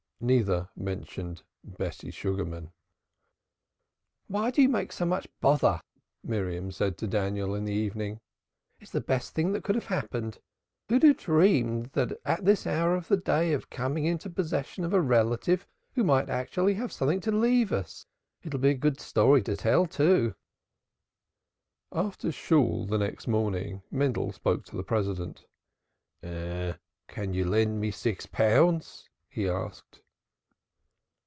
Neither mentioned Bessie Sugarman. "Why do you make so much bother?" Miriam said to Daniel in the evening. "It's the best thing that could have happened. Who'd have dreamed at this hour of the day of coming into possession of a relative who might actually have something to leave us. It'll be a good story to tell, too." After Shool next morning Mendel spoke to the President. "Can you lend me six pounds?" he asked.